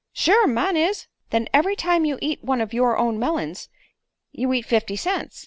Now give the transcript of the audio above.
"Sure; mine is." "Then every time you eat one of your own melons you eat fifty cents.